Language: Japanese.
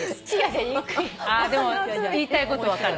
でも言いたいこと分かる。